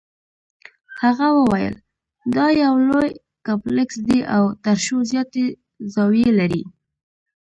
هغه وویل دا یو لوی کمپلیکس دی او تر شلو زیاتې زاویې لري.